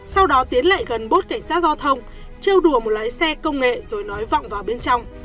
sau đó tiến lại gần bốt cảnh sát giao thông treo đùa một lái xe công nghệ rồi nói vọng vào bên trong